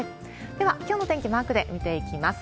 では、きょうの天気、マークで見ていきます。